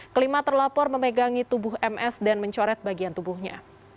kelima terlapor memegangi tubuh ms dan mencoret bagian tubuhnya